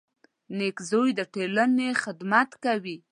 • نېک زوی د ټولنې خدمت کوي.